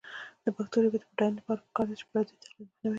د پښتو ژبې د بډاینې لپاره پکار ده چې پردیو تقلید مخنیوی شي.